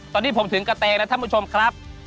ตอนนี้ผมถึงกระเต้งนะคุณผู้ชมครับ